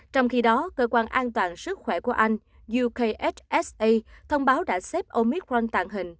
trong khi đó cơ quan an toàn sức khỏe của anh ukhsa thông báo đã xếp omicron tàng hình